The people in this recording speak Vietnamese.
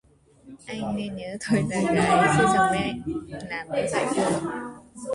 Anh nên nhớ là tôi là gái chưa chồng anh làm như vậy